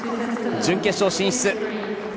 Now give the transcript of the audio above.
準決勝進出。